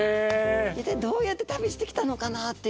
一体どうやって旅してきたのかなっていう。